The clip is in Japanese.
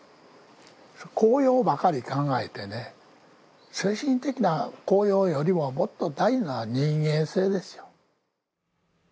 高揚ばかり考えて、精神的な高揚よりももっと大事なのは人間性ですよ。